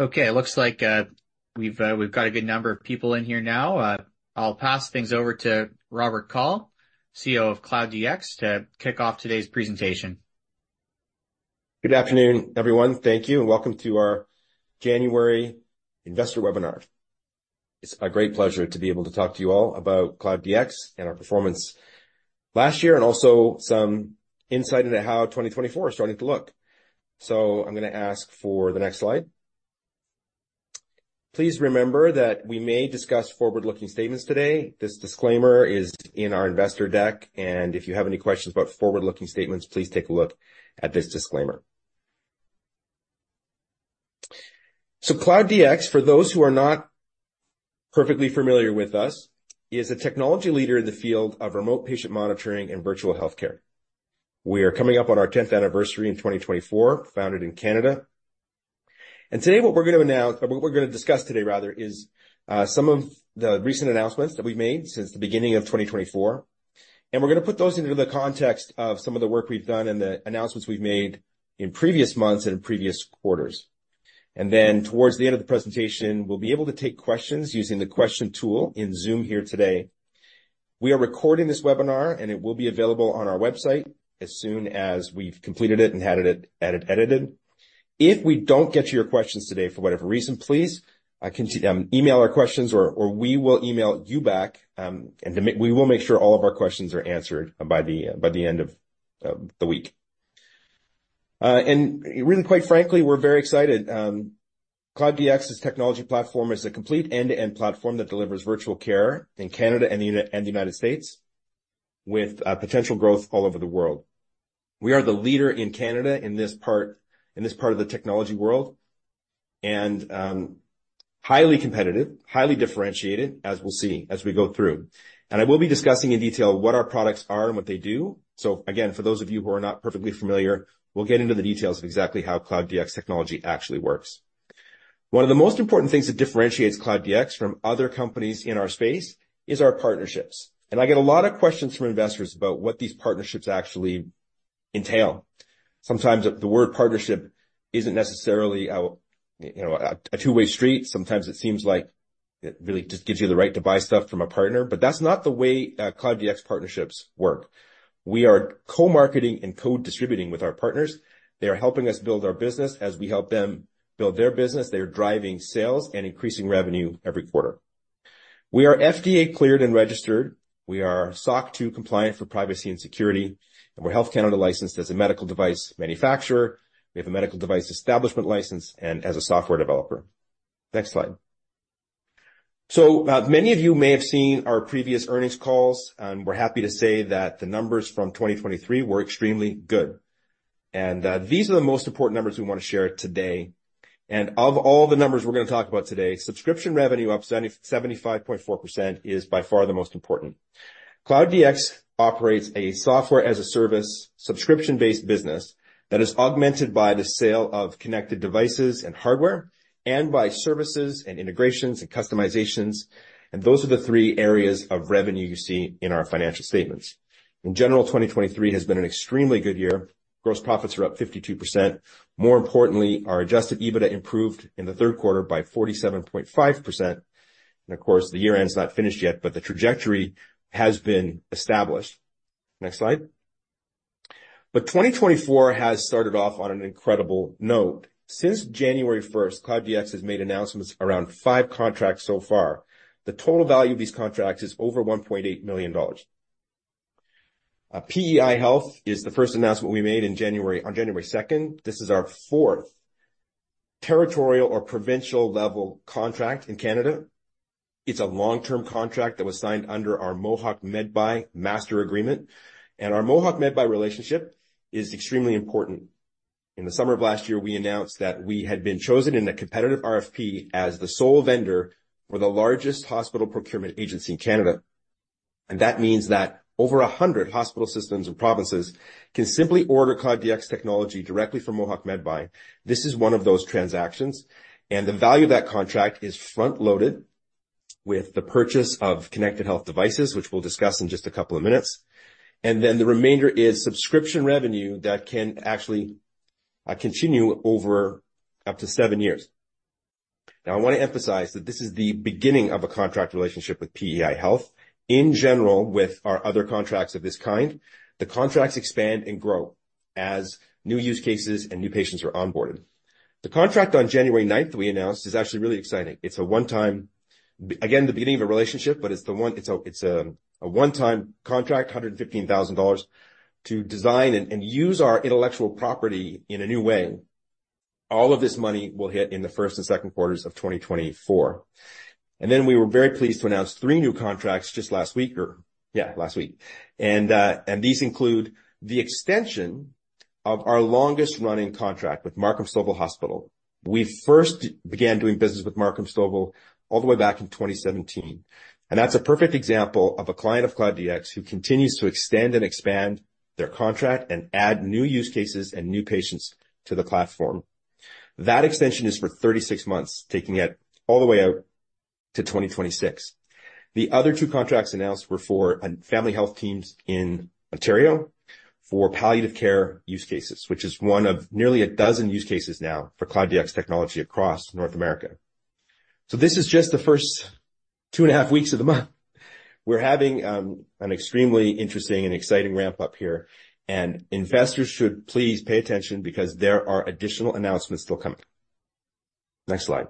Okay, it looks like, we've got a good number of people in here now. I'll pass things over to Robert Kaul, CEO of Cloud DX, to kick off today's presentation. Good afternoon, everyone. Thank you, and welcome to our January investor webinar. It's a great pleasure to be able to talk to you all about Cloud DX and our performance last year, and also some insight into how 2024 is starting to look. So I'm gonna ask for the next slide. Please remember that we may discuss forward-looking statements today. This disclaimer is in our investor deck, and if you have any questions about forward-looking statements, please take a look at this disclaimer. So Cloud DX, for those who are not perfectly familiar with us, is a technology leader in the field of remote patient monitoring and virtual healthcare. We are coming up on our tenth anniversary in 2024, founded in Canada. Today, what we're gonna announce, what we're gonna discuss today rather, is some of the recent announcements that we've made since the beginning of 2024. We're gonna put those into the context of some of the work we've done and the announcements we've made in previous months and in previous quarters. Then towards the end of the presentation, we'll be able to take questions using the question tool in Zoom here today. We are recording this webinar, and it will be available on our website as soon as we've completed it and had it edited. If we don't get to your questions today for whatever reason, please email our questions or we will email you back, and to make sure all of our questions are answered by the end of the week. Really, quite frankly, we're very excited. Cloud DX's technology platform is a complete end-to-end platform that delivers virtual care in Canada and the United States, with potential growth all over the world. We are the leader in Canada, in this part, in this part of the technology world, and highly competitive, highly differentiated, as we'll see as we go through. I will be discussing in detail what our products are and what they do. Again, for those of you who are not perfectly familiar, we'll get into the details of exactly how Cloud DX technology actually works. One of the most important things that differentiates Cloud DX from other companies in our space is our partnerships, and I get a lot of questions from investors about what these partnerships actually entail. Sometimes the word partnership isn't necessarily a, you know, a two-way street. Sometimes it seems like it really just gives you the right to buy stuff from a partner, but that's not the way, Cloud DX partnerships work. We are co-marketing and co-distributing with our partners. They are helping us build our business as we help them build their business. They are driving sales and increasing revenue every quarter. We are FDA cleared and registered. We are SOC 2 compliant for privacy and security, and we're Health Canada licensed as a medical device manufacturer. We have a medical device establishment license and as a software developer. Next slide. So, many of you may have seen our previous earnings calls, and we're happy to say that the numbers from 2023 were extremely good. And, these are the most important numbers we want to share today. Of all the numbers we're gonna talk about today, subscription revenue up 75.4% is by far the most important. Cloud DX operates a software-as-a-service, subscription-based business that is augmented by the sale of connected devices and hardware and by services and integrations and customizations, and those are the three areas of revenue you see in our financial statements. In general, 2023 has been an extremely good year. Gross profits are up 52%. More importantly, our Adjusted EBITDA improved in the third quarter by 47.5%, and of course, the year-end is not finished yet, but the trajectory has been established. Next slide. But 2024 has started off on an incredible note. Since January first, Cloud DX has made announcements around five contracts so far. The total value of these contracts is over 1.8 million dollars. Health PEI is the first announcement we made in January, on January second. This is our fourth territorial or provincial-level contract in Canada. It's a long-term contract that was signed under our Mohawk Medbuy master agreement, and our Mohawk Medbuy relationship is extremely important. In the summer of last year, we announced that we had been chosen in a competitive RFP as the sole vendor for the largest hospital procurement agency in Canada. That means that over 100 hospital systems and provinces can simply order Cloud DX technology directly from Mohawk Medbuy. This is one of those transactions, and the value of that contract is front-loaded with the purchase of connected health devices, which we'll discuss in just a couple of minutes. Then the remainder is subscription revenue that can actually continue over up to seven years. Now, I want to emphasize that this is the beginning of a contract relationship with Health PEI. In general, with our other contracts of this kind, the contracts expand and grow as new use cases and new patients are onboarded. The contract on January ninth, we announced, is actually really exciting. It's a one-time... Again, the beginning of a relationship, but it's the one—it's a one-time contract, 115,000 dollars, to design and use our intellectual property in a new way. All of this money will hit in the first and second quarters of 2024. Then we were very pleased to announce three new contracts just last week. And these include the extension of our longest-running contract with Markham Stouffville Hospital. We first began doing business with Markham Stouffville all the way back in 2017, and that's a perfect example of a client of Cloud DX who continues to extend and expand their contract and add new use cases and new patients to the platform. That extension is for 36 months, taking it all the way out to 2026. The other two contracts announced were for family health teams in Ontario for palliative care use cases, which is one of nearly a dozen use cases now for Cloud DX technology across North America. This is just the first 2.5 weeks of the month. We're having an extremely interesting and exciting ramp-up here, and investors should please pay attention because there are additional announcements still coming. Next slide.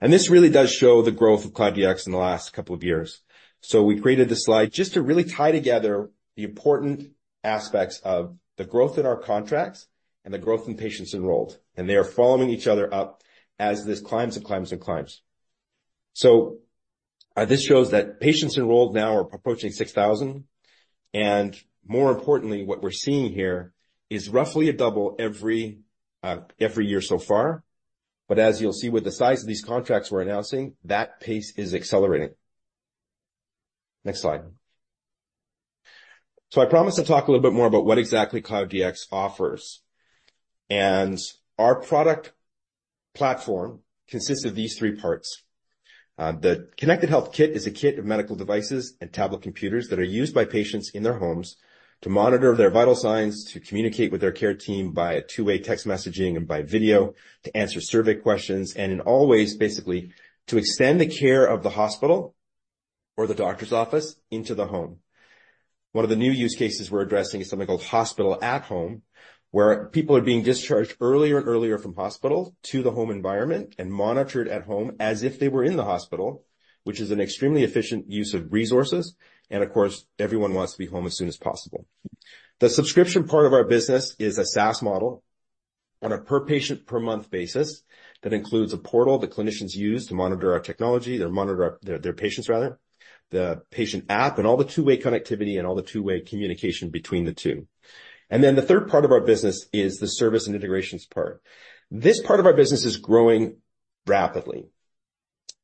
This really does show the growth of Cloud DX in the last couple of years. So we created this slide just to really tie together the important aspects of the growth in our contracts and the growth in patients enrolled, and they are following each other up as this climbs and climbs and climbs. So, this shows that patients enrolled now are approaching 6,000, and more importantly, what we're seeing here is roughly a double every year so far. But as you'll see, with the size of these contracts we're announcing, that pace is accelerating. Next slide. So I promised to talk a little bit more about what exactly Cloud DX offers, and our product platform consists of these three parts. The Connected Health Kit is a kit of medical devices and tablet computers that are used by patients in their homes to monitor their vital signs, to communicate with their care team by a two-way text messaging and by video, to answer survey questions, and in all ways, basically, to extend the care of the hospital or the doctor's office into the home. One of the new use cases we're addressing is something called Hospital at Home, where people are being discharged earlier and earlier from hospital to the home environment and monitored at home as if they were in the hospital, which is an extremely efficient use of resources, and of course, everyone wants to be home as soon as possible. The subscription part of our business is a SaaS model on a per-patient, per-month basis. That includes a portal that clinicians use to monitor our technology, to monitor their, their patients, rather. The patient app and all the two-way connectivity and all the two-way communication between the two. And then the third part of our business is the service and integrations part. This part of our business is growing rapidly.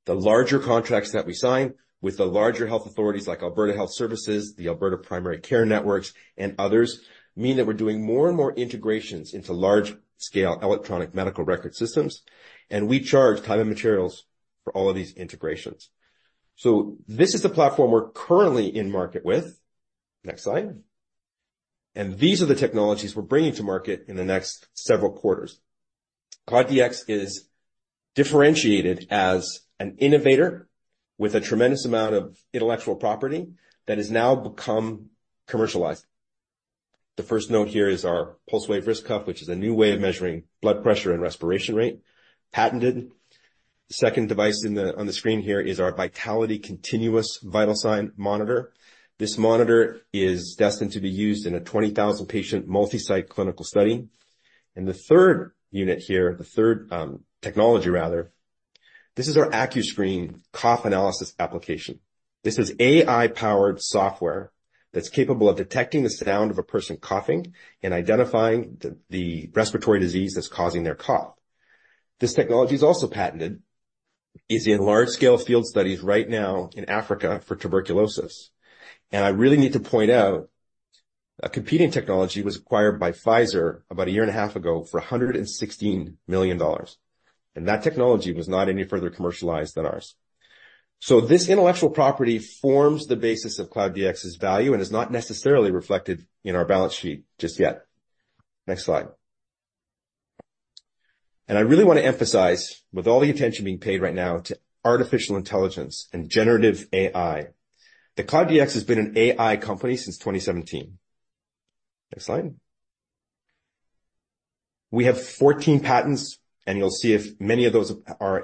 The larger contracts that we sign with the larger health authorities, like Alberta Health Services, the Alberta Primary Care Networks, and others, mean that we're doing more and more integrations into large-scale Electronic Medical Record systems, and we charge time and materials for all of these integrations. So this is the platform we're currently in market with. Next slide. And these are the technologies we're bringing to market in the next several quarters. Cloud DX is differentiated as an innovator with a tremendous amount of intellectual property that has now become commercialized. The first note here is our Pulsewave wrist cuff, which is a new way of measuring blood pressure and respiration rate, patented. The second device in the—on the screen here is our Vitaliti Continuous Vital Sign monitor. This monitor is destined to be used in a 20,000-patient, multi-site clinical study. And the third unit here, the third, technology, rather, this is our Accuscreen cough analysis application. This is AI-powered software that's capable of detecting the sound of a person coughing and identifying the respiratory disease that's causing their cough. This technology is also patented. It's in large-scale field studies right now in Africa for tuberculosis. And I really need to point out, a competing technology was acquired by Pfizer about a year and a half ago for $116 million, and that technology was not any further commercialized than ours. This intellectual property forms the basis of Cloud DX's value and is not necessarily reflected in our balance sheet just yet. Next slide. I really want to emphasize, with all the attention being paid right now to artificial intelligence and generative AI, that Cloud DX has been an AI company since 2017. Next slide. We have 14 patents, and you'll see if many of those are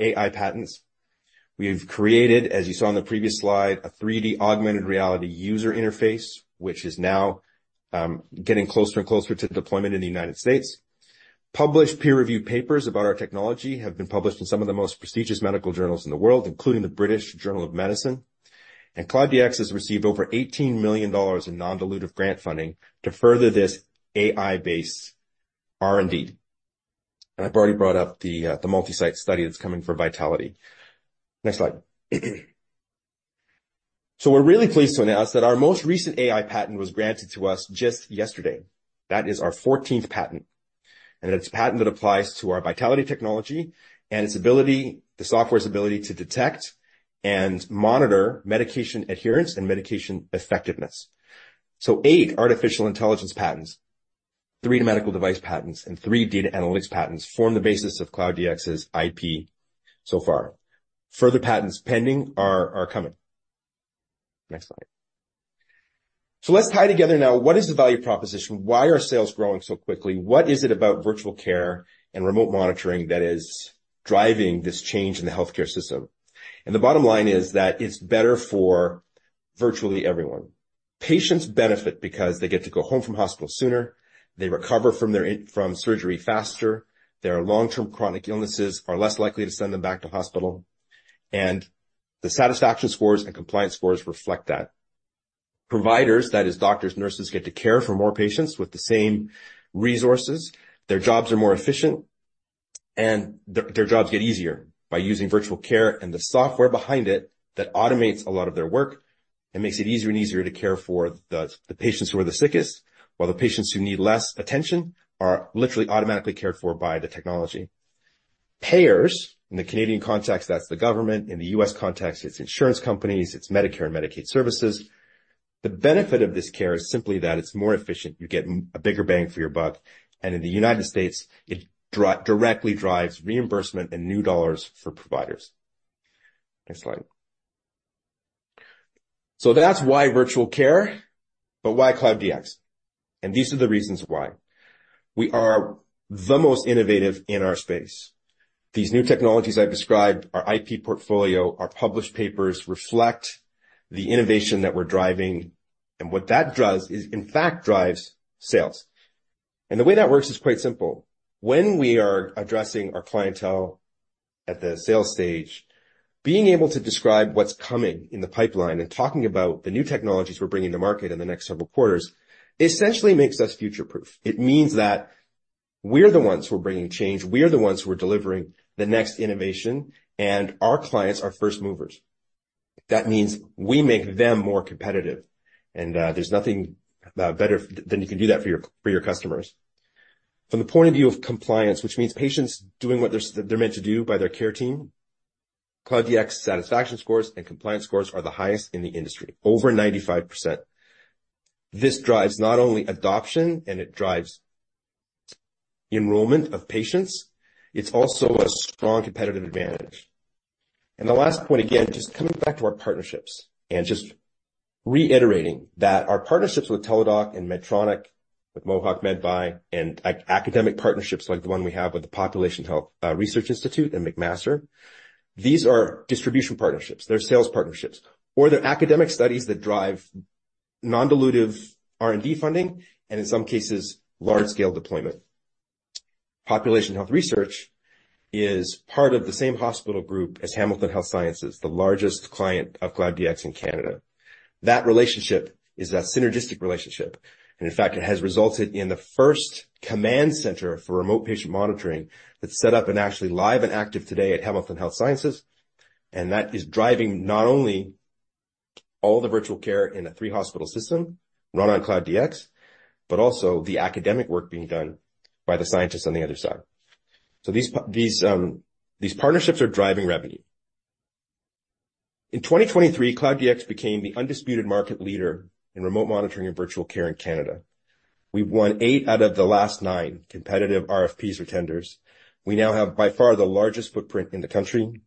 AI patents. We've created, as you saw on the previous slide, a 3D augmented reality user interface, which is now getting closer and closer to deployment in the United States. Peer-reviewed papers about our technology have been published in some of the most prestigious medical journals in the world, including the British Medical Journal, and Cloud DX has received over 18 million dollars in non-dilutive grant funding to further this AI-based R&D. And I've already brought up the, the multi-site study that's coming for Vitaliti. Next slide. So we're really pleased to announce that our most recent AI patent was granted to us just yesterday. That is our fourteenth patent, and it's a patent that applies to our Vitaliti technology and its ability—the software's ability to detect and monitor medication adherence and medication effectiveness. So eight artificial intelligence patents, three medical device patents, and three data analytics patents form the basis of Cloud DX's IP so far. Further patents pending are coming. Next slide. So let's tie together now, what is the value proposition? Why are sales growing so quickly? What is it about virtual care and remote monitoring that is driving this change in the healthcare system? And the bottom line is that it's better for virtually everyone. Patients benefit because they get to go home from hospital sooner, they recover from their surgery faster, their long-term chronic illnesses are less likely to send them back to hospital, and the satisfaction scores and compliance scores reflect that. Providers, that is, doctors, nurses, get to care for more patients with the same resources. Their jobs are more efficient, and their jobs get easier by using virtual care and the software behind it that automates a lot of their work. It makes it easier and easier to care for the patients who are the sickest, while the patients who need less attention are literally automatically cared for by the technology. Payers, in the Canadian context, that's the government, in the U.S. context, it's insurance companies, it's Medicare and Medicaid services. The benefit of this care is simply that it's more efficient. You get a bigger bang for your buck, and in the United States, it directly drives reimbursement and new dollars for providers. Next slide. So that's why virtual care. But why Cloud DX? And these are the reasons why. We are the most innovative in our space. These new technologies I've described, our IP portfolio, our published papers, reflect the innovation that we're driving, and what that drives is, in fact, drives sales. And the way that works is quite simple. When we are addressing our clientele at the sales stage, being able to describe what's coming in the pipeline and talking about the new technologies we're bringing to market in the next several quarters, essentially makes us future-proof. It means that we're the ones who are bringing change, we're the ones who are delivering the next innovation, and our clients are first movers. That means we make them more competitive, and, there's nothing, better than you can do that for your, for your customers. From the point of view of compliance, which means patients doing what they're, they're meant to do by their care team, Cloud DX satisfaction scores and compliance scores are the highest in the industry, over 95%. This drives not only adoption, and it drives enrollment of patients, it's also a strong competitive advantage. And the last point, again, just coming back to our partnerships and just reiterating that our partnerships with Teladoc and Medtronic, with Mohawk Medbuy and academic partnerships, like the one we have with the Population Health Research Institute and McMaster, these are distribution partnerships, they're sales partnerships, or they're academic studies that drive non-dilutive R&D funding and in some cases, large-scale deployment. Population Health Research is part of the same hospital group as Hamilton Health Sciences, the largest client of Cloud DX in Canada. That relationship is a synergistic relationship, and in fact, it has resulted in the first command center for Remote Patient Monitoring that's set up and actually live and active today at Hamilton Health Sciences. That is driving not only all the virtual care in a three-hospital system run on Cloud DX, but also the academic work being done by the scientists on the other side. These, these, these partnerships are driving revenue. In 2023, Cloud DX became the undisputed market leader in remote monitoring and virtual care in Canada. We've won 8 out of the last 9 competitive RFPs or tenders. We now have, by far, the largest footprint in the country.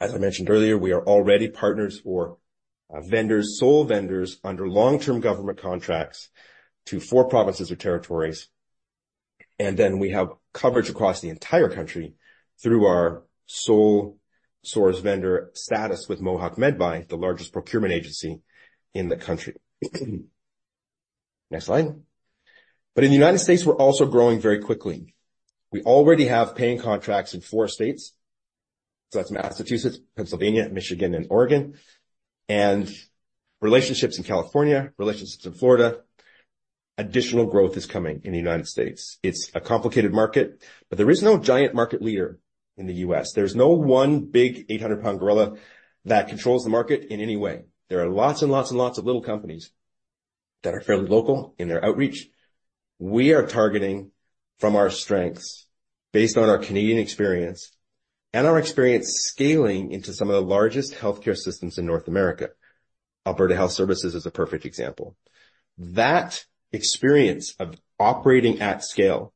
As I mentioned earlier, we are already partners for vendors, sole vendors, under long-term government contracts to four provinces or territories. And then we have coverage across the entire country through our sole source vendor status with Mohawk Medbuy, the largest procurement agency in the country. Next slide. But in the United States, we're also growing very quickly. We already have paying contracts in four states. So that's Massachusetts, Pennsylvania, Michigan, and Oregon, and relationships in California, relationships in Florida. Additional growth is coming in the United States. It's a complicated market, but there is no giant market leader in the U.S. There's no one big 800-pound gorilla that controls the market in any way. There are lots and lots and lots of little companies that are fairly local in their outreach. We are targeting from our strengths, based on our Canadian experience and our experience scaling into some of the largest healthcare systems in North America. Alberta Health Services is a perfect example. That experience of operating at scale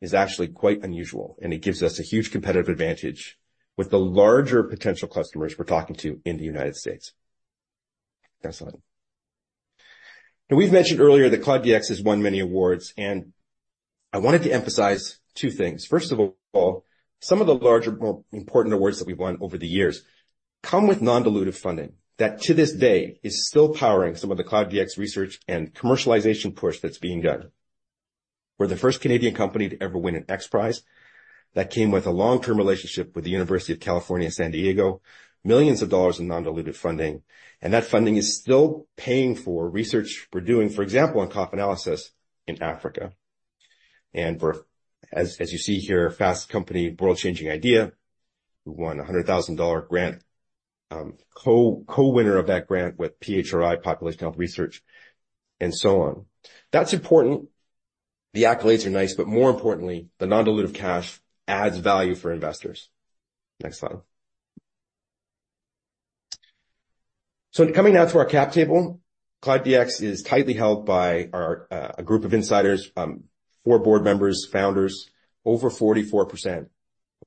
is actually quite unusual, and it gives us a huge competitive advantage with the larger potential customers we're talking to in the United States. Next slide. Now, we've mentioned earlier that Cloud DX has won many awards, and I wanted to emphasize two things. First of all, some of the larger, more important awards that we've won over the years come with non-dilutive funding that, to this day, is still powering some of the Cloud DX research and commercialization push that's being done. We're the first Canadian company to ever win an XPRIZE. That came with a long-term relationship with the University of California, San Diego, millions of dollars in non-dilutive funding, and that funding is still paying for research we're doing, for example, on cough analysis in Africa. As you see here, Fast Company World Changing Idea. We won a $100,000 grant, co-winner of that grant with PHRI, Population Health Research, and so on. That's important. The accolades are nice, but more importantly, the non-dilutive cash adds value for investors. Next slide. So coming now to our cap table, Cloud DX is tightly held by our a group of insiders, four board members, founders. Over 44% of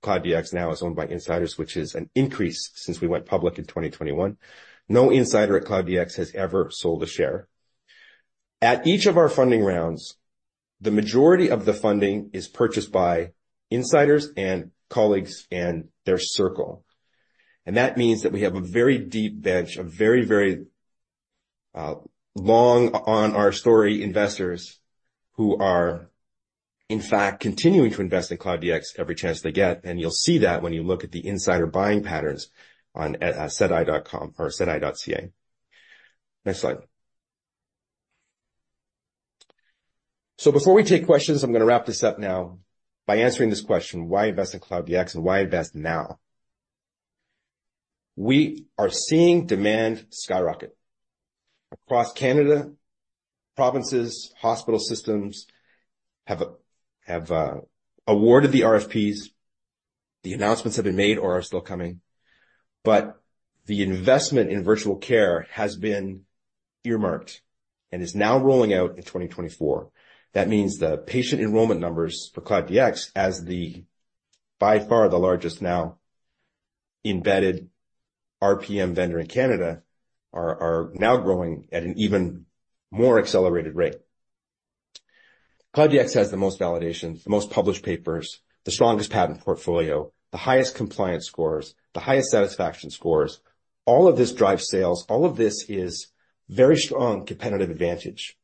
Cloud DX now is owned by insiders, which is an increase since we went public in 2021. No insider at Cloud DX has ever sold a share. At each of our funding rounds, the majority of the funding is purchased by insiders and colleagues and their circle. And that means that we have a very deep bench of very, very, long on our story, investors who are, in fact, continuing to invest in Cloud DX every chance they get. And you'll see that when you look at the insider buying patterns on, sedi.com or sedi.ca. Next slide. So before we take questions, I'm gonna wrap this up now by answering this question: Why invest in Cloud DX and why invest now? We are seeing demand skyrocket. Across Canada, provinces, hospital systems have awarded the RFPs. The announcements have been made or are still coming, but the investment in virtual care has been earmarked and is now rolling out in 2024. That means the patient enrollment numbers for Cloud DX as the, by far the largest now embedded RPM vendor in Canada, are now growing at an even more accelerated rate. Cloud DX has the most validations, the most published papers, the strongest patent portfolio, the highest compliance scores, the highest satisfaction scores. All of this drives sales. All of this is very strong competitive advantage.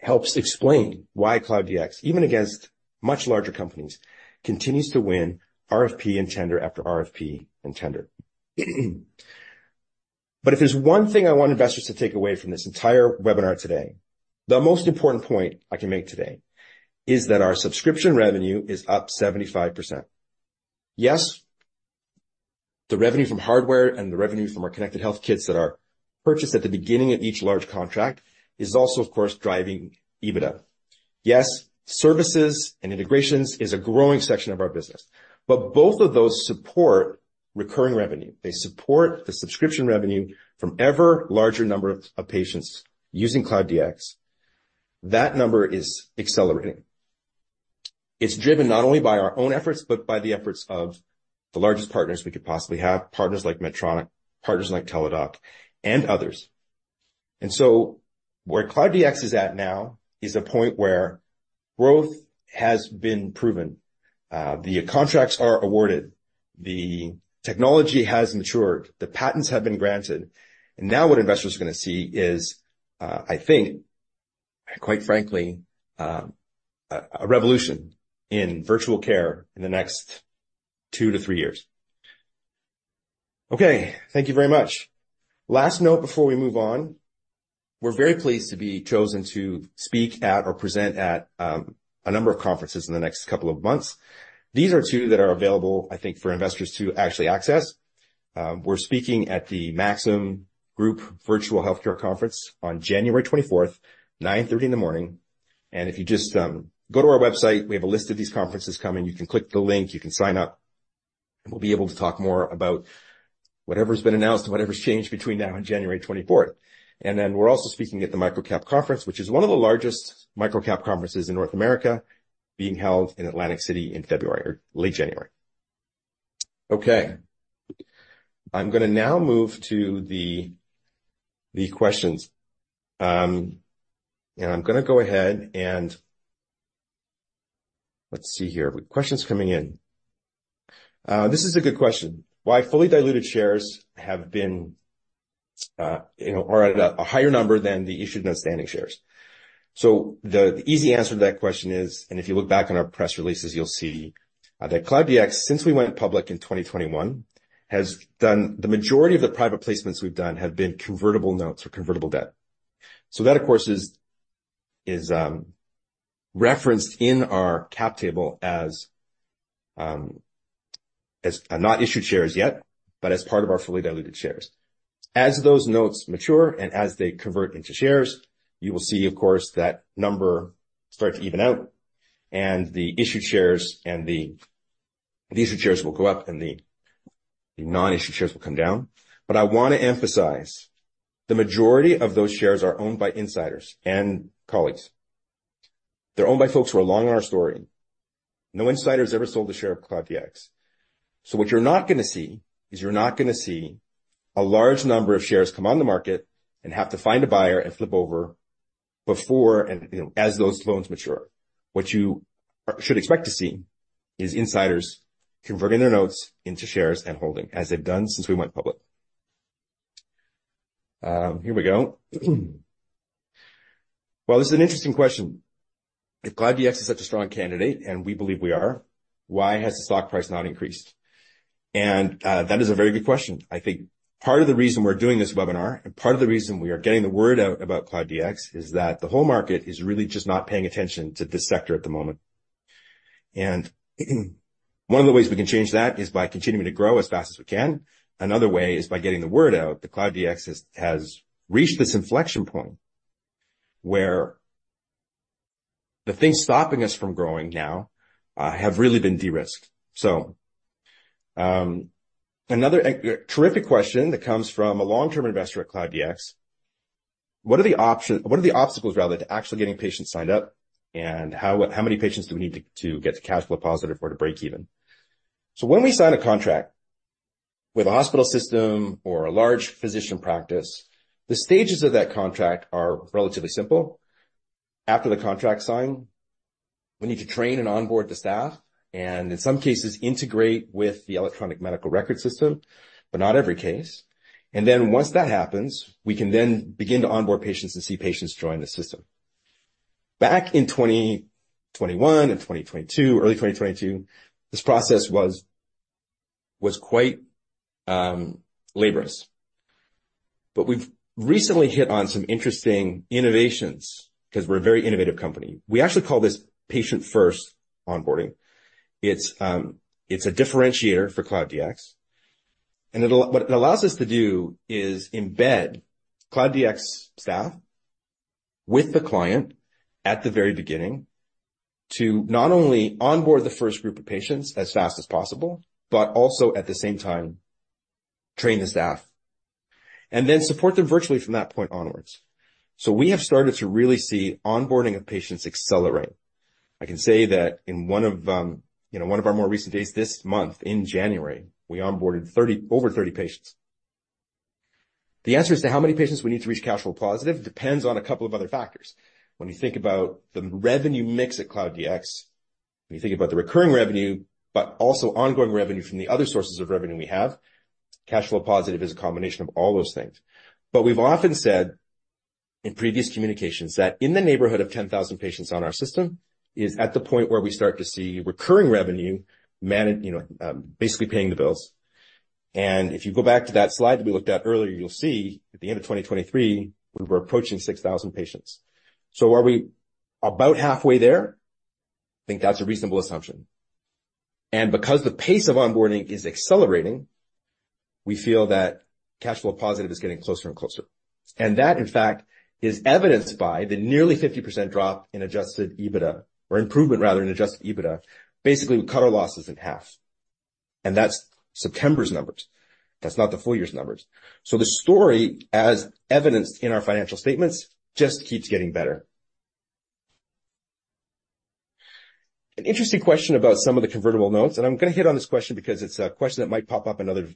Helps explain why Cloud DX, even against much larger companies, continues to win RFP and tender after RFP and tender. But if there's one thing I want investors to take away from this entire webinar today, the most important point I can make today is that our subscription revenue is up 75%. Yes, the revenue from hardware and the revenue from our Connected Health Kits that are purchased at the beginning of each large contract is also, of course, driving EBITDA. Yes, services and integrations is a growing section of our business, but both of those support recurring revenue. They support the subscription revenue from ever larger number of patients using Cloud DX. That number is accelerating. It's driven not only by our own efforts, but by the efforts of the largest partners we could possibly have, partners like Medtronic, partners like Teladoc, and others. And so where Cloud DX is at now is a point where growth has been proven, the contracts are awarded, the technology has matured, the patents have been granted, and now what investors are gonna see is, I think, quite frankly, a revolution in virtual care in the next two to three years. Okay, thank you very much. Last note before we move on, we're very pleased to be chosen to speak at or present at a number of conferences in the next couple of months. These are two that are available, I think, for investors to actually access. We're speaking at the Maxim Group Virtual Healthcare Conference on January 24th, 9:30 A.M., and if you just go to our website, we have a list of these conferences coming. You can click the link, you can sign up, and we'll be able to talk more about whatever's been announced and whatever's changed between now and January 24th. And then we're also speaking at the MicroCap Conference, which is one of the largest MicroCap conferences in North America, being held in Atlantic City in February or late January. Okay, I'm gonna now move to the questions. I'm gonna go ahead and... Let's see here, questions coming in. This is a good question. Why fully diluted shares have been, you know, are at a higher number than the issued and outstanding shares? So the easy answer to that question is, and if you look back on our press releases, you'll see that Cloud DX, since we went public in 2021, has done. The majority of the private placements we've done have been convertible notes or convertible debt. So that, of course, is referenced in our cap table as not issued shares yet, but as part of our fully diluted shares. As those notes mature and as they convert into shares, you will see, of course, that number start to even out and the issued shares and the issued shares will go up and the non-issued shares will come down. But I want to emphasize, the majority of those shares are owned by insiders and colleagues. They're owned by folks who are long on our story. No insider has ever sold a share of Cloud DX. So what you're not gonna see is you're not gonna see a large number of shares come on the market and have to find a buyer and flip over before and, you know, as those loans mature. What you should expect to see is insiders converting their notes into shares and holding, as they've done since we went public. Here we go. Well, this is an interesting question. If Cloud DX is such a strong candidate, and we believe we are, why has the stock price not increased? That is a very good question. I think part of the reason we're doing this webinar, and part of the reason we are getting the word out about Cloud DX, is that the whole market is really just not paying attention to this sector at the moment. One of the ways we can change that is by continuing to grow as fast as we can. Another way is by getting the word out that Cloud DX has reached this inflection point where the things stopping us from growing now have really been de-risked. Another terrific question that comes from a long-term investor at Cloud DX: What are the options-- What are the obstacles, rather, to actually getting patients signed up? How many patients do we need to get to cash flow positive or to break even? When we sign a contract with a hospital system or a large physician practice, the stages of that contract are relatively simple. After the contract's signed, we need to train and onboard the staff, and in some cases, integrate with the Electronic Medical Record system, but not every case. Then once that happens, we can then begin to onboard patients and see patients join the system. Back in 2021 and 2022, early 2022, this process was quite laborious. But we've recently hit on some interesting innovations, 'cause we're a very innovative company. We actually call this Patient-First Onboarding. It's a differentiator for Cloud DX, and what it allows us to do is embed Cloud DX staff with the client at the very beginning to not only onboard the first group of patients as fast as possible, but also at the same time, train the staff, and then support them virtually from that point onwards. So we have started to really see onboarding of patients accelerate. I can say that in one of, you know, one of our more recent days, this month, in January, we onboarded over 30 patients. The answer as to how many patients we need to reach cash flow positive, depends on a couple of other factors. When you think about the revenue mix at Cloud DX, when you think about the recurring revenue, but also ongoing revenue from the other sources of revenue we have, cash flow positive is a combination of all those things. But we've often said in previous communications that in the neighborhood of 10,000 patients on our system is at the point where we start to see recurring revenue... You know, basically paying the bills. And if you go back to that slide that we looked at earlier, you'll see at the end of 2023, we were approaching 6,000 patients. So are we about halfway there? I think that's a reasonable assumption. And because the pace of onboarding is accelerating, we feel that cash flow positive is getting closer and closer. That, in fact, is evidenced by the nearly 50% drop in Adjusted EBITDA or improvement rather than Adjusted EBITDA. Basically, we cut our losses in half, and that's September's numbers. That's not the full year's numbers. So the story, as evidenced in our financial statements, just keeps getting better. An interesting question about some of the convertible notes, and I'm gonna hit on this question because it's a question that might pop up in other,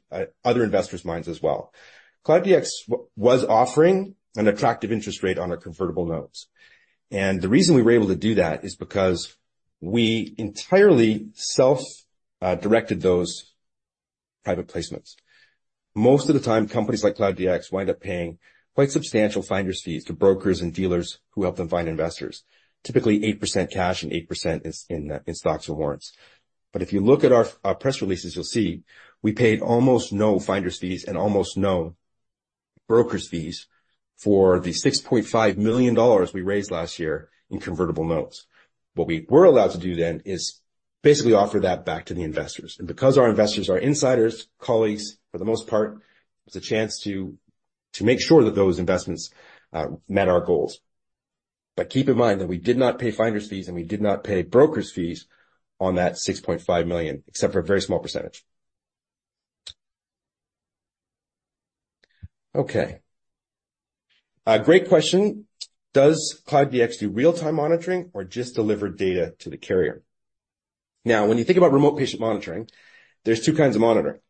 other investors' minds as well. Cloud DX was offering an attractive interest rate on our convertible notes, and the reason we were able to do that is because we entirely self-directed those private placements. Most of the time, companies like Cloud DX wind up paying quite substantial finder's fees to brokers and dealers who help them find investors. Typically, 8% cash and 8% in stocks or warrants. But if you look at our press releases, you'll see we paid almost no finder's fees and almost no broker's fees for the 6.5 million dollars we raised last year in convertible notes. What we were allowed to do then is basically offer that back to the investors. And because our investors are insiders, colleagues, for the most part, it's a chance to make sure that those investments met our goals. But keep in mind that we did not pay finder's fees, and we did not pay broker's fees on that 6.5 million, except for a very small percentage. Okay, great question. Does Cloud DX do real-time monitoring or just deliver data to the carrier? Now, when you think about remote patient monitoring, there's two kinds of monitoring.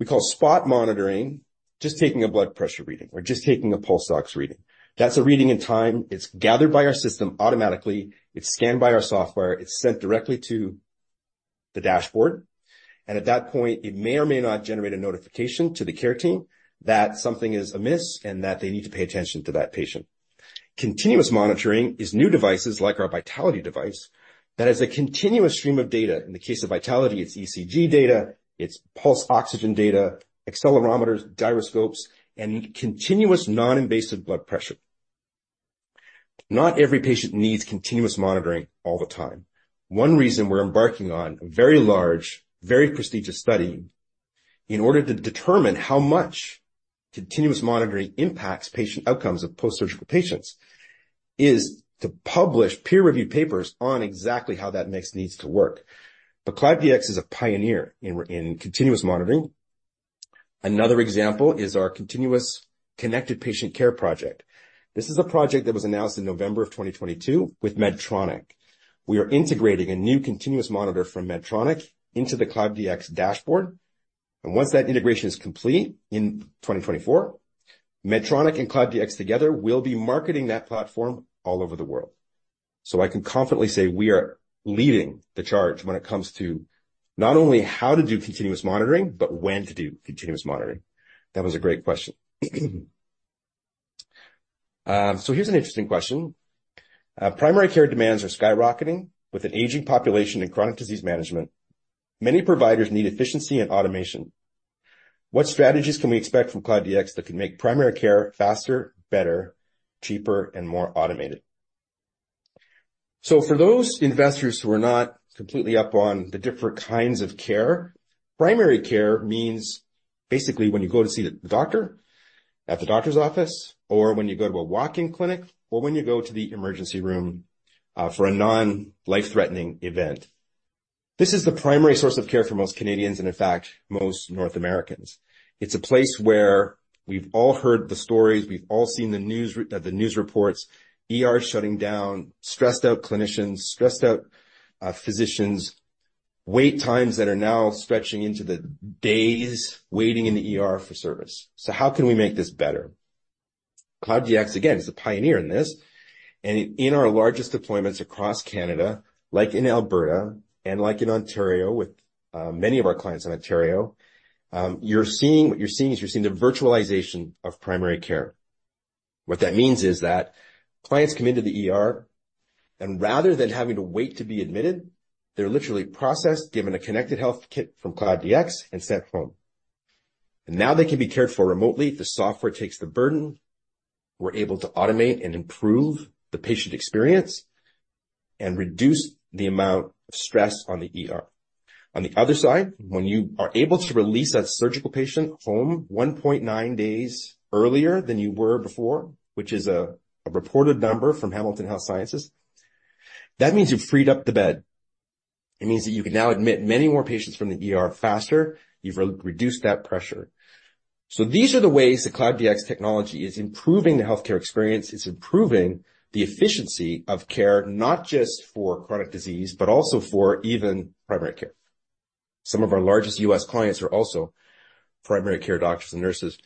We call Spot Monitoring just taking a blood pressure reading or just taking a pulse ox reading. That's a reading in time. It's gathered by our system automatically, it's scanned by our software, it's sent directly to the dashboard, and at that point, it may or may not generate a notification to the care team that something is amiss and that they need to pay attention to that patient. Continuous Monitoring is new devices like our Vitaliti device, that has a continuous stream of data. In the case of Vitaliti, it's ECG data, it's pulse oxygen data, accelerometers, gyroscopes, and continuous non-invasive blood pressure. Not every patient needs continuous monitoring all the time. One reason we're embarking on a very large, very prestigious study in order to determine how much continuous monitoring impacts patient outcomes of post-surgical patients, is to publish peer-reviewed papers on exactly how that next needs to work. But Cloud DX is a pioneer in continuous monitoring. Another example is our Continuous Connected Patient Care project. This is a project that was announced in November of 2022 with Medtronic. We are integrating a new continuous monitor from Medtronic into the Cloud DX dashboard, and once that integration is complete in 2024, Medtronic and Cloud DX together will be marketing that platform all over the world. So I can confidently say we are leading the charge when it comes to not only how to do continuous monitoring, but when to do continuous monitoring. That was a great question. So here's an interesting question. Primary care demands are skyrocketing with an aging population in chronic disease management. Many providers need efficiency and automation. What strategies can we expect from Cloud DX that can make primary care faster, better, cheaper, and more automated? So for those investors who are not completely up on the different kinds of care, primary care means basically when you go to see the doctor at the doctor's office or when you go to a walk-in clinic or when you go to the emergency room for a non-life-threatening event. This is the primary source of care for most Canadians, and in fact, most North Americans. It's a place where we've all heard the stories, we've all seen the news reports, ER shutting down, stressed out clinicians, stressed out physicians, wait times that are now stretching into the days, waiting in the ER for service. So how can we make this better? Cloud DX, again, is a pioneer in this, and in our largest deployments across Canada, like in Alberta and like in Ontario, with many of our clients in Ontario, what you're seeing is the virtualization of primary care. What that means is that clients come into the ER, and rather than having to wait to be admitted, they're literally processed, given a Connected Health Kit from Cloud DX, and sent home. And now they can be cared for remotely. The software takes the burden. We're able to automate and improve the patient experience and reduce the amount of stress on the ER. On the other side, when you are able to release that surgical patient home 1.9 days earlier than you were before, which is a reported number from Hamilton Health Sciences, that means you've freed up the bed. It means that you can now admit many more patients from the ER faster. You've re-reduced that pressure. So these are the ways that Cloud DX technology is improving the healthcare experience. It's improving the efficiency of care, not just for chronic disease, but also for even primary care. Some of our largest U.S. clients are also primary care doctors and nurses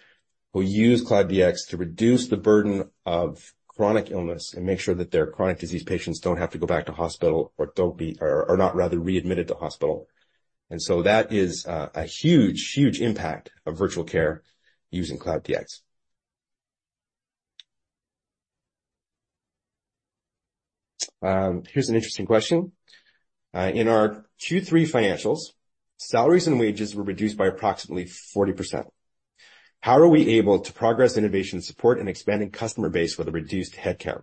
who use Cloud DX to reduce the burden of chronic illness and make sure that their chronic disease patients don't have to go back to hospital or don't be... or not rather, readmitted to hospital. That is a huge, huge impact of virtual care using Cloud DX. Here's an interesting question. In our Q3 financials, salaries and wages were reduced by approximately 40%. How are we able to progress innovation, support, and expanding customer base with a reduced headcount?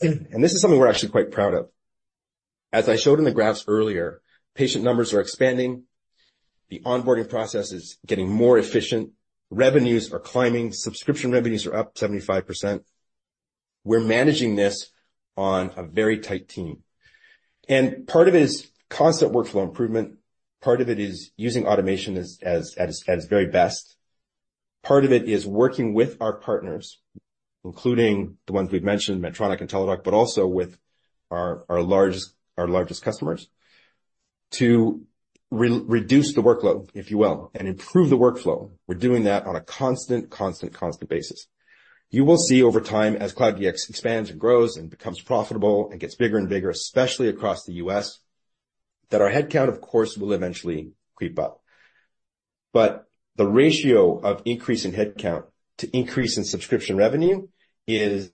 And this is something we're actually quite proud of. As I showed in the graphs earlier, patient numbers are expanding, the onboarding process is getting more efficient, revenues are climbing, subscription revenues are up 75%. We're managing this on a very tight team, and part of it is constant workflow improvement. Part of it is using automation as at its very best. Part of it is working with our partners, including the ones we've mentioned, Medtronic and Teladoc, but also with our largest customers, to reduce the workload, if you will, and improve the workflow. We're doing that on a constant, constant, constant basis. You will see over time, as Cloud DX expands and grows and becomes profitable and gets bigger and bigger, especially across the U.S., that our headcount, of course, will eventually creep up. But the ratio of increase in headcount to increase in subscription revenue is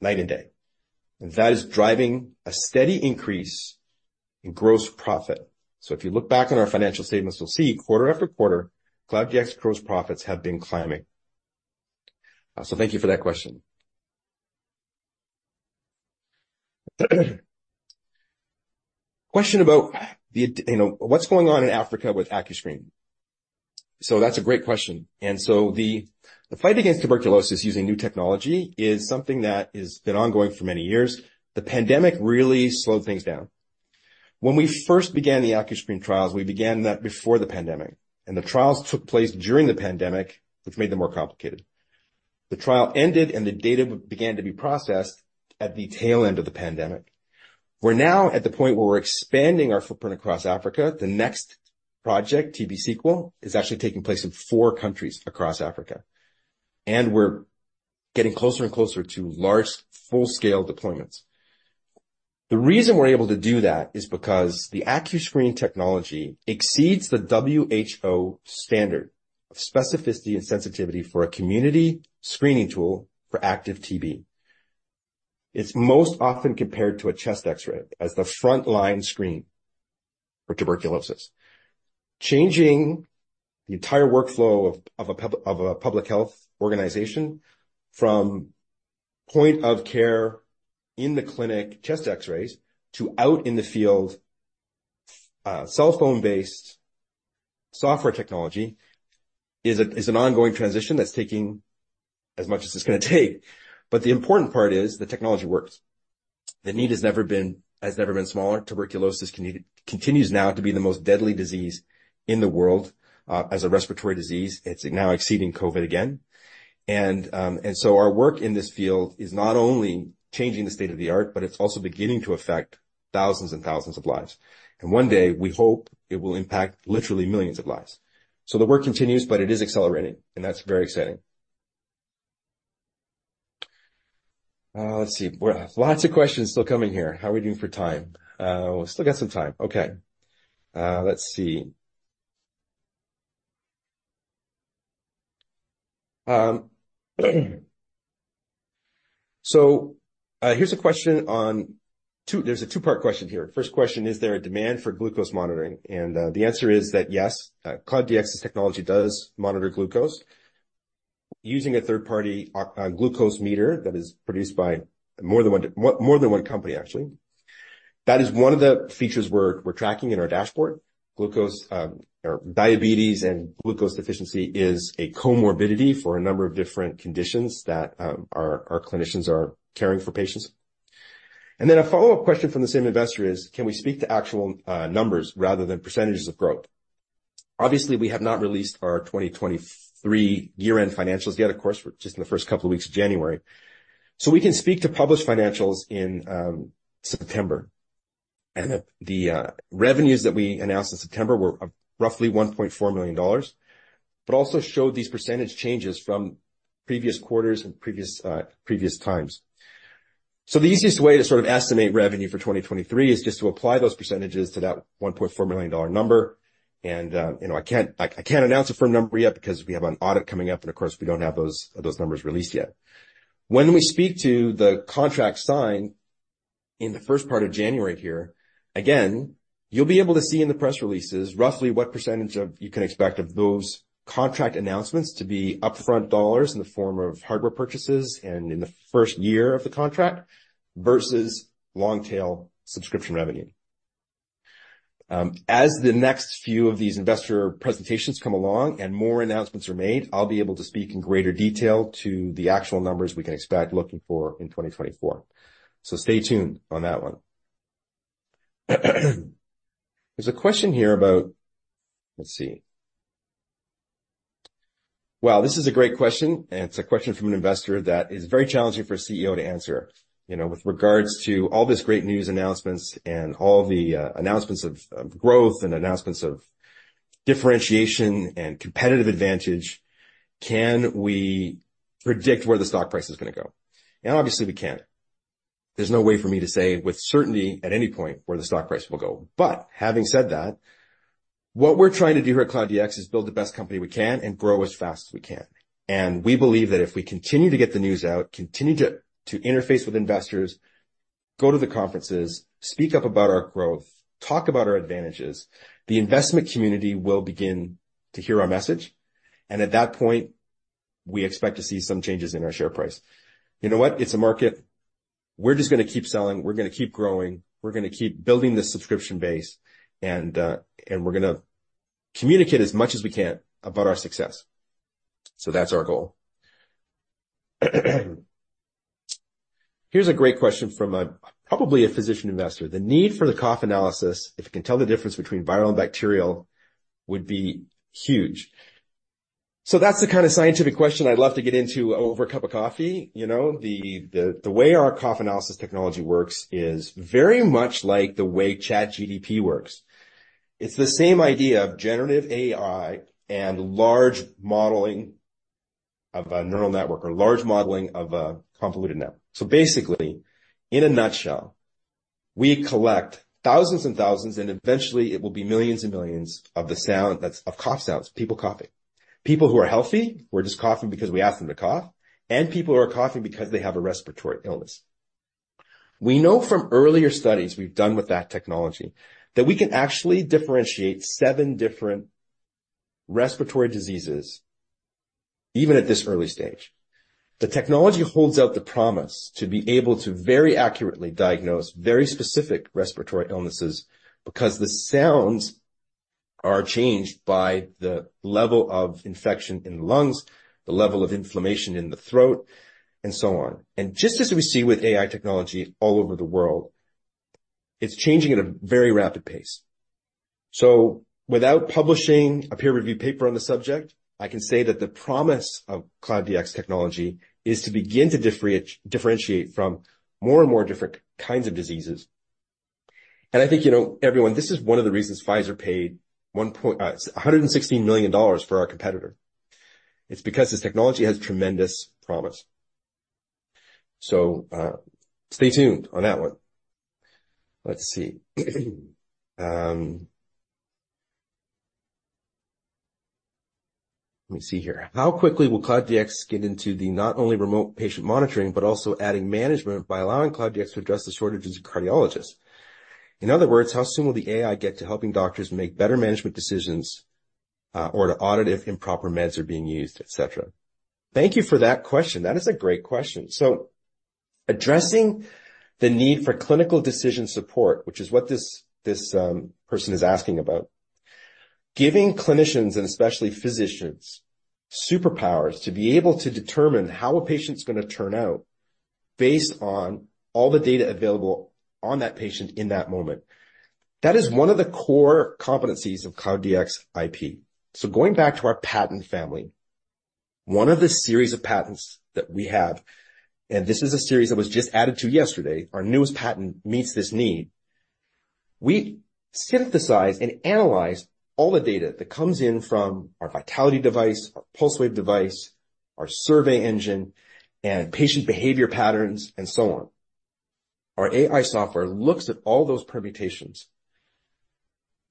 night and day. That is driving a steady increase in gross profit. So if you look back on our financial statements, you'll see quarter after quarter, Cloud DX gross profits have been climbing. So thank you for that question. Question about the... You know, what's going on in Africa with Accuscreen? So that's a great question. And so the fight against tuberculosis using new technology is something that has been ongoing for many years. The pandemic really slowed things down. When we first began the Accuscreen trials, we began that before the pandemic, and the trials took place during the pandemic, which made them more complicated. The trial ended, and the data began to be processed at the tail end of the pandemic. We're now at the point where we're expanding our footprint across Africa. The next project, TB Sequel, is actually taking place in four countries across Africa, and we're getting closer and closer to large, full-scale deployments. The reason we're able to do that is because the Accuscreen technology exceeds the WHO standard of specificity and sensitivity for a community screening tool for active TB. It's most often compared to a chest X-ray as the frontline screen for tuberculosis. Changing the entire workflow of a public health organization from point of care in the clinic chest X-rays to out in the field, cell phone-based software technology is an ongoing transition that's taking as much as it's gonna take. But the important part is the technology works. The need has never been smaller. Tuberculosis continues now to be the most deadly disease in the world. As a respiratory disease, it's now exceeding COVID again. And so our work in this field is not only changing the state-of-the-art, but it's also beginning to affect thousands and thousands of lives. And one day, we hope it will impact literally millions of lives. So the work continues, but it is accelerating, and that's very exciting. Let's see. Lots of questions still coming here. How are we doing for time? We still got some time. Okay, let's see. Here's a question on two... There's a two-part question here. First question: Is there a demand for glucose monitoring? And, the answer is that yes, Cloud DX's technology does monitor glucose using a third-party glucose meter that is produced by more than one, more than one company, actually. That is one of the features we're tracking in our dashboard. Glucose, or diabetes and glucose deficiency is a comorbidity for a number of different conditions that our clinicians are caring for patients. And then a follow-up question from the same investor is: Can we speak to actual numbers rather than percentages of growth? Obviously, we have not released our 2023 year-end financials yet, of course. We're just in the first couple of weeks of January. So we can speak to published financials in September, and the revenues that we announced in September were roughly 1.4 million dollars, but also showed these percentage changes from previous quarters and previous times... So the easiest way to sort of estimate revenue for 2023 is just to apply those percentages to that 1.4 million dollar number. And you know, I can't, I can't announce a firm number yet because we have an audit coming up, and of course, we don't have those those numbers released yet. When we speak to the contract signed in the first part of January here, again, you'll be able to see in the press releases roughly what percentage of you can expect of those contract announcements to be upfront dollars in the form of hardware purchases and in the first year of the contract, versus long-tail subscription revenue. As the next few of these investor presentations come along and more announcements are made, I'll be able to speak in greater detail to the actual numbers we can expect looking for in 2024. So stay tuned on that one. There's a question here about... Let's see. Wow, this is a great question, and it's a question from an investor that is very challenging for a CEO to answer. You know, with regards to all this great news announcements and all the announcements of growth and announcements of differentiation and competitive advantage, can we predict where the stock price is gonna go? And obviously, we can't. There's no way for me to say with certainty at any point where the stock price will go. But having said that, what we're trying to do here at Cloud DX is build the best company we can and grow as fast as we can. And we believe that if we continue to get the news out, continue to interface with investors, go to the conferences, speak up about our growth, talk about our advantages, the investment community will begin to hear our message, and at that point, we expect to see some changes in our share price. You know what? It's a market. We're just gonna keep selling, we're gonna keep growing, we're gonna keep building this subscription base, and we're gonna communicate as much as we can about our success. So that's our goal. Here's a great question from a, probably a physician investor. The need for the cough analysis, if you can tell the difference between viral and bacterial, would be huge. So that's the kind of scientific question I'd love to get into over a cup of coffee, you know. The way our cough analysis technology works is very much like the way ChatGPT works. It's the same idea of generative AI and large modeling of a neural network or large modeling of a convolutional network. So basically, in a nutshell, we collect thousands and thousands, and eventually, it will be millions and millions of the sound that's of cough sounds, people coughing. People who are healthy, who are just coughing because we ask them to cough, and people who are coughing because they have a respiratory illness. We know from earlier studies we've done with that technology, that we can actually differentiate seven different respiratory diseases, even at this early stage. The technology holds out the promise to be able to very accurately diagnose very specific respiratory illnesses, because the sounds are changed by the level of infection in the lungs, the level of inflammation in the throat, and so on. And just as we see with AI technology all over the world, it's changing at a very rapid pace. So without publishing a peer review paper on the subject, I can say that the promise of Cloud DX technology is to begin to differentiate from more and more different kinds of diseases. I think you know, everyone, this is one of the reasons Pfizer paid $116 million for our competitor. It's because this technology has tremendous promise. So, stay tuned on that one. Let's see. Let me see here. How quickly will Cloud DX get into the not only remote patient monitoring, but also adding management by allowing Cloud DX to address the shortages of cardiologists? In other words, how soon will the AI get to helping doctors make better management decisions, or to audit if improper meds are being used, et cetera? Thank you for that question. That is a great question. So addressing the need for clinical decision support, which is what this person is asking about, giving clinicians and especially physicians superpowers to be able to determine how a patient's gonna turn out based on all the data available on that patient in that moment. That is one of the core competencies of Cloud DX IP. So going back to our patent family, one of the series of patents that we have, and this is a series that was just added to yesterday, our newest patent meets this need. We synthesize and analyze all the data that comes in from our Vitaliti device, our Pulsewave device, our survey engine, and patient behavior patterns, and so on. Our AI software looks at all those permutations.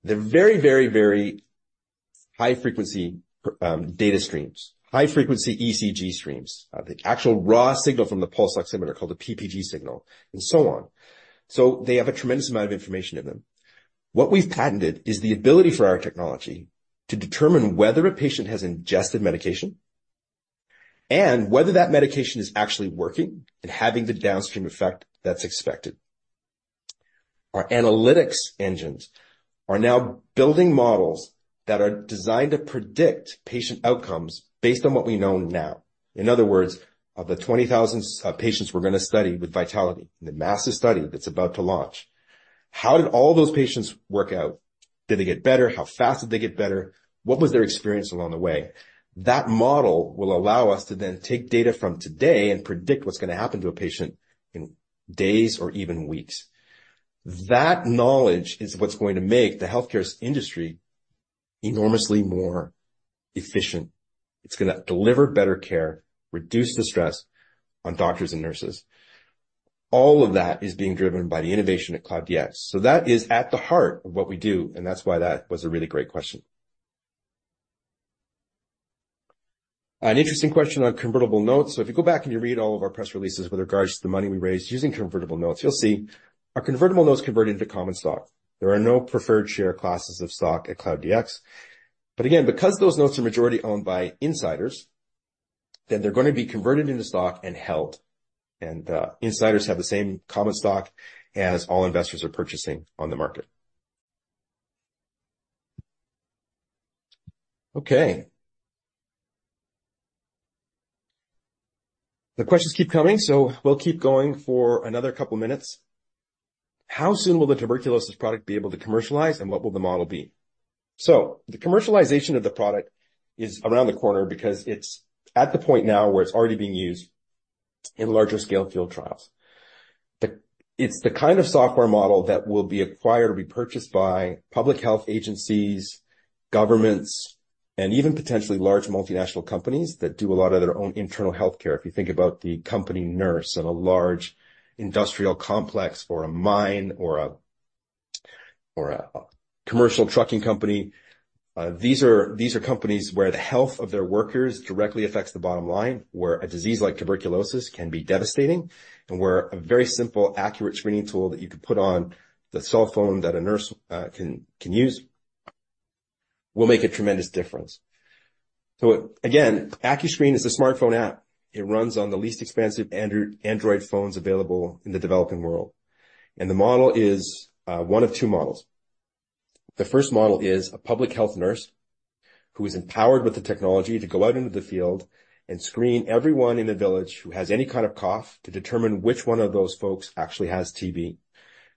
They're very, very, very high frequency data streams, high frequency ECG streams, the actual raw signal from the pulse oximeter, called the PPG signal, and so on. So they have a tremendous amount of information in them. What we've patented is the ability for our technology to determine whether a patient has ingested medication and whether that medication is actually working and having the downstream effect that's expected. Our analytics engines are now building models that are designed to predict patient outcomes based on what we know now. In other words, of the 20,000 patients we're gonna study with Vitaliti, the massive study that's about to launch, how did all those patients work out? Did they get better? How fast did they get better? What was their experience along the way? That model will allow us to then take data from today and predict what's gonna happen to a patient in days or even weeks. That knowledge is what's going to make the healthcare industry enormously more efficient. It's gonna deliver better care, reduce the stress on doctors and nurses. All of that is being driven by the innovation at Cloud DX. So that is at the heart of what we do, and that's why that was a really great question. An interesting question on convertible notes. So if you go back and you read all of our press releases with regards to the money we raised using convertible notes, you'll see our convertible notes converted into common stock. There are no preferred share classes of stock at Cloud DX, but again, because those notes are majority-owned by insiders, then they're gonna be converted into stock and held. Insiders have the same common stock as all investors are purchasing on the market. Okay. The questions keep coming, so we'll keep going for another couple of minutes. How soon will the tuberculosis product be able to commercialize, and what will the model be? The commercialization of the product is around the corner because it's at the point now where it's already being used in larger scale field trials. It's the kind of software model that will be acquired or be purchased by public health agencies, governments, and even potentially large multinational companies that do a lot of their own internal healthcare. If you think about the company nurse in a large industrial complex, or a mine, or a commercial trucking company, these are companies where the health of their workers directly affects the bottom line, where a disease like tuberculosis can be devastating, and where a very simple, accurate screening tool that you can put on the cell phone that a nurse can use will make a tremendous difference. So again, Accuscreen is a smartphone app. It runs on the least expensive Android phones available in the developing world, and the model is one of two models. The first model is a public health nurse who is empowered with the technology to go out into the field and screen everyone in a village who has any kind of cough to determine which one of those folks actually has TB.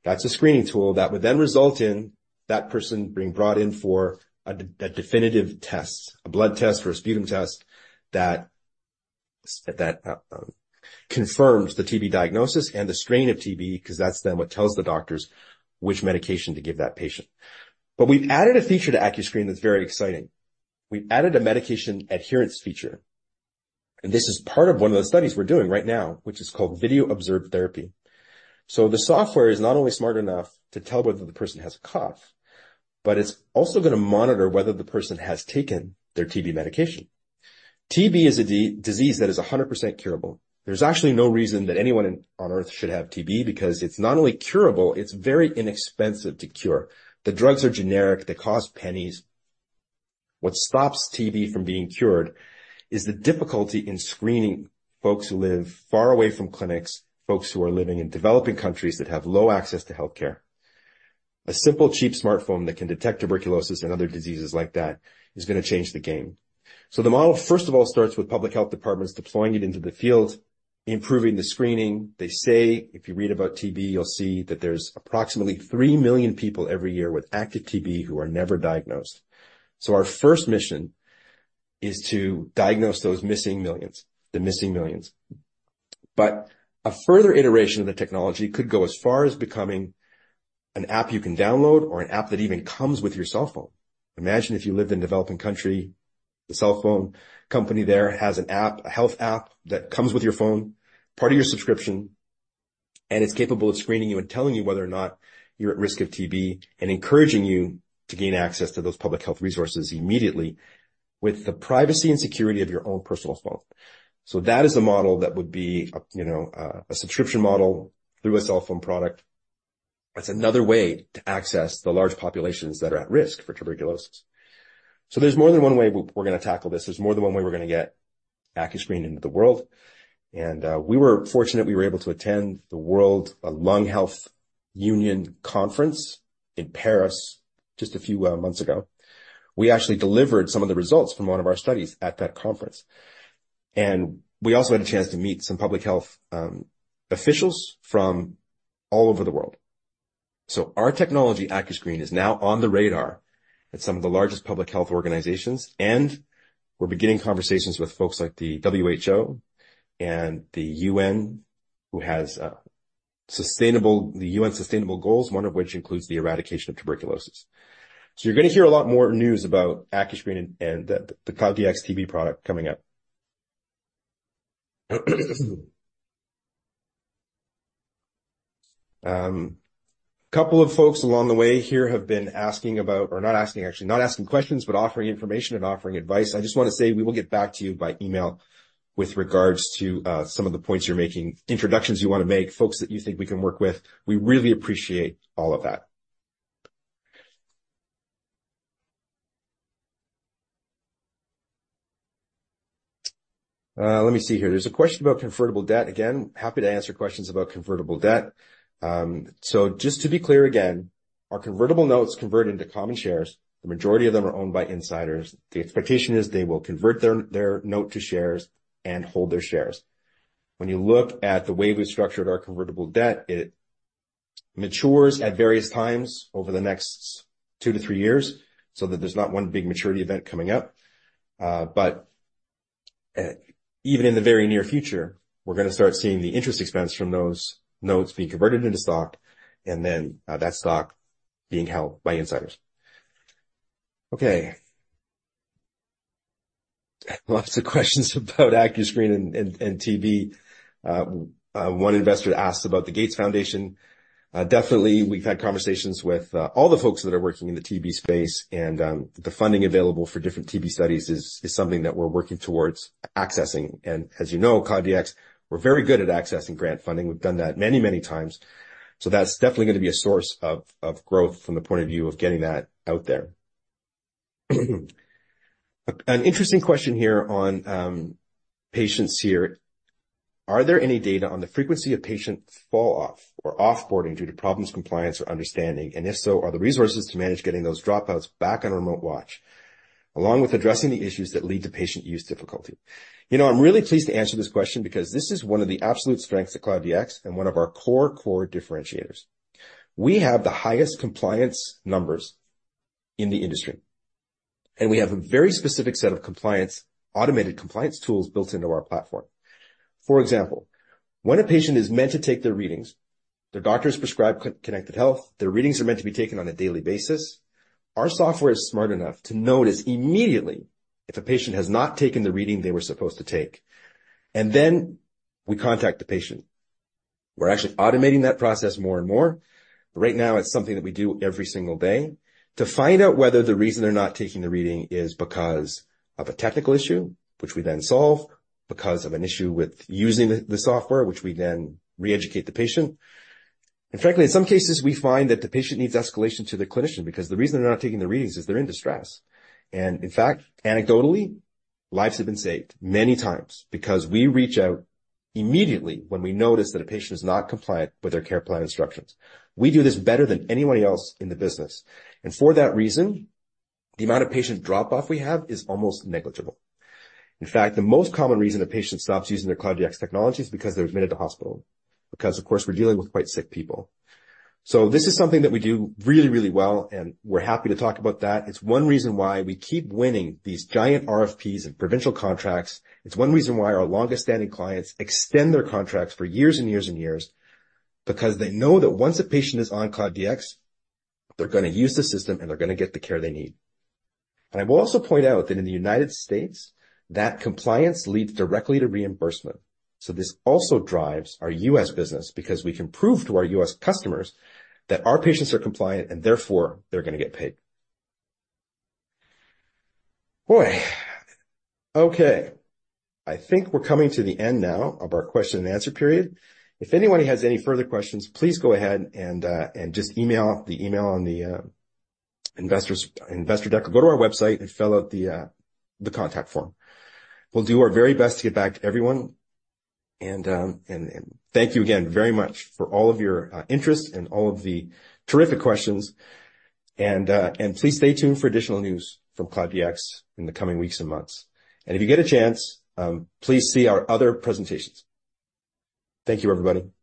That's a screening tool that would then result in that person being brought in for a definitive test, a blood test, or a sputum test, that confirms the TB diagnosis and the strain of TB, 'cause that's then what tells the doctors which medication to give that patient. But we've added a feature to Accuscreen that's very exciting. We've added a medication adherence feature, and this is part of one of the studies we're doing right now, which is called Video-Observed Therapy. So the software is not only smart enough to tell whether the person has a cough, but it's also gonna monitor whether the person has taken their TB medication. TB is a disease that is 100% curable. There's actually no reason that anyone on Earth should have TB, because it's not only curable, it's very inexpensive to cure. The drugs are generic. They cost pennies. What stops TB from being cured is the difficulty in screening folks who live far away from clinics, folks who are living in developing countries that have low access to healthcare. A simple, cheap smartphone that can detect tuberculosis and other diseases like that is gonna change the game. So the model, first of all, starts with public health departments deploying it into the field, improving the screening. They say if you read about TB, you'll see that there's approximately 3 million people every year with active TB who are never diagnosed. So our first mission is to diagnose those missing millions, the missing millions. But a further iteration of the technology could go as far as becoming an app you can download or an app that even comes with your cell phone. Imagine if you lived in a developing country. The cell phone company there has an app, a health app, that comes with your phone, part of your subscription, and it's capable of screening you and telling you whether or not you're at risk of TB and encouraging you to gain access to those public health resources immediately with the privacy and security of your own personal phone. So that is a model that would be a, you know, a subscription model through a cell phone product. That's another way to access the large populations that are at risk for tuberculosis. So there's more than one way we're, we're gonna tackle this. There's more than one way we're gonna get Accuscreen into the world. And we were fortunate we were able to attend the World Lung Health Union conference in Paris just a few months ago. We actually delivered some of the results from one of our studies at that conference, and we also had a chance to meet some public health officials from all over the world. So our technology, Accuscreen, is now on the radar at some of the largest public health organizations, and we're beginning conversations with folks like the WHO and the UN, who has the UN Sustainable Goals, one of which includes the eradication of tuberculosis. So you're gonna hear a lot more news about Accuscreen and, and the Cloud DX TB product coming up. A couple of folks along the way here have been asking about or not asking, actually, not asking questions, but offering information and offering advice. I just want to say we will get back to you by email with regards to some of the points you're making, introductions you want to make, folks that you think we can work with. We really appreciate all of that. Let me see here. There's a question about convertible debt. Again, happy to answer questions about convertible debt. So just to be clear, again, our convertible notes convert into common shares. The majority of them are owned by insiders. The expectation is they will convert their, their note to shares and hold their shares. When you look at the way we've structured our convertible debt, it matures at various times over the next two to three years, so that there's not one big maturity event coming up. But-... Even in the very near future, we're going to start seeing the interest expense from those notes being converted into stock, and then that stock being held by insiders. Okay. Lots of questions about Accuscreen and TB. One investor asked about the Gates Foundation. Definitely, we've had conversations with all the folks that are working in the TB space, and the funding available for different TB studies is something that we're working towards accessing. And as you know, Cloud DX, we're very good at accessing grant funding. We've done that many, many times. So that's definitely going to be a source of growth from the point of view of getting that out there. An interesting question here on patients here. Are there any data on the frequency of patient fall off or off-boarding due to problems, compliance, or understanding? And if so, are the resources to manage getting those dropouts back on remote watch, along with addressing the issues that lead to patient use difficulty? You know, I'm really pleased to answer this question because this is one of the absolute strengths of Cloud DX and one of our core, core differentiators. We have the highest compliance numbers in the industry, and we have a very specific set of compliance, automated compliance tools built into our platform. For example, when a patient is meant to take their readings, their doctors prescribe Connected Health. Their readings are meant to be taken on a daily basis. Our software is smart enough to notice immediately if a patient has not taken the reading they were supposed to take, and then we contact the patient. We're actually automating that process more and more. But right now, it's something that we do every single day to find out whether the reason they're not taking the reading is because of a technical issue, which we then solve, because of an issue with using the software, which we then re-educate the patient. And frankly, in some cases, we find that the patient needs escalation to the clinician, because the reason they're not taking the readings is they're in distress. And in fact, anecdotally, lives have been saved many times because we reach out immediately when we notice that a patient is not compliant with their care plan instructions. We do this better than anybody else in the business, and for that reason, the amount of patient drop-off we have is almost negligible. In fact, the most common reason a patient stops using their Cloud DX technology is because they're admitted to hospital, because, of course, we're dealing with quite sick people. So this is something that we do really, really well, and we're happy to talk about that. It's one reason why we keep winning these giant RFPs and provincial contracts. It's one reason why our longest-standing clients extend their contracts for years and years and years. Because they know that once a patient is on Cloud DX, they're gonna use the system, and they're gonna get the care they need. And I will also point out that in the United States, that compliance leads directly to reimbursement. So this also drives our U.S. business, because we can prove to our U.S. customers that our patients are compliant, and therefore, they're gonna get paid. Boy! Okay, I think we're coming to the end now of our question and answer period. If anybody has any further questions, please go ahead and just email the email on the investors, investor deck, or go to our website and fill out the contact form. We'll do our very best to get back to everyone. And thank you again very much for all of your interest and all of the terrific questions. And please stay tuned for additional news from Cloud DX in the coming weeks and months. And if you get a chance, please see our other presentations. Thank you, everybody.